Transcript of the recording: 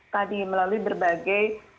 tadi melalui berbagai